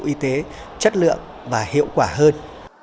y tế chất lượng và hiệu quả hơn